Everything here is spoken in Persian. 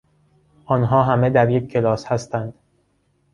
آنها همه در یک کلاس هستند.